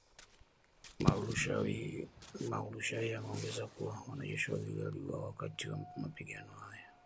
Mualushayi ameongeza kuwa, wanajeshi wawili waliuawa wakati wa mapigano hayo.